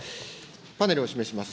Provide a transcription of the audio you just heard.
パネルを示します。